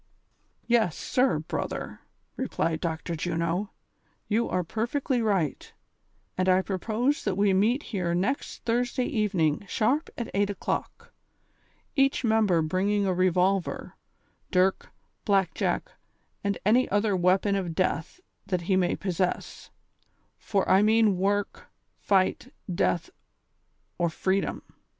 " Yes, sir, brother," replied Dr. Juno, " you are perfectly right, and I propose that we meet here next Thursday eve ning sharp at 8 o'clock, each member bringing a revolver, dirk, black jack and any other weapon of death that he may possess, for I mean work, fight, death, or freedom.